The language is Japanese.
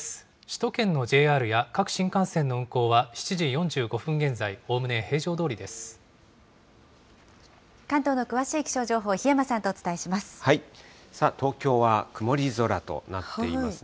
首都圏のＪＲや各新幹線の運行は、７時４５分現在、おおむね平常ど関東の詳しい気象情報、檜山東京は曇り空となっています